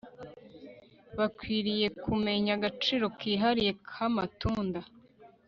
bakwiriye kumenya agaciro kihariye kamatunda